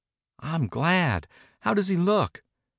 "I'm glad. How does he look?"